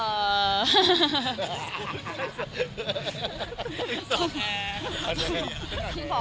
อีกสองแอร์